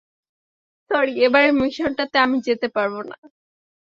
Sorry, এবারের মিশনটাতে আমি যেতে পারবো না।